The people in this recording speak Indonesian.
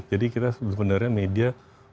jadi kita sebenarnya media